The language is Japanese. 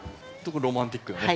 ロマンティックなね